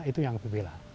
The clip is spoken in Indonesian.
itu yang lebih bela